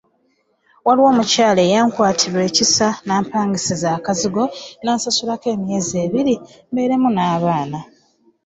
Waliwo omukyala eyankwatirwa ekisa n’ampangisizaayo akazigo n’ansasulirako emyezi ebiri mbeeremu n’abaana.